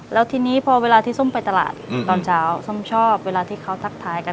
แล้วทีนี้พอเวลาที่ส้มไปตลาดตอนเช้าส้มชอบเวลาที่เขาทักทายกัน